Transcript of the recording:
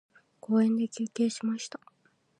公園で休憩しました。